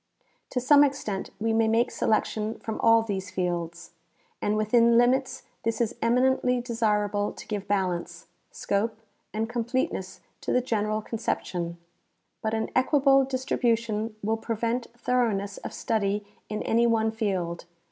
To some extent we may make selection from all these fields, and within limits this is eminently desirable to give balance, scope and completeness to the general conception ; but an equable distribution will prevent thoroughness of study in any one field.